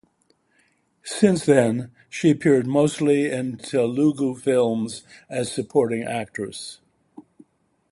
Since then she appeared mostly in Telugu films as supporting actress.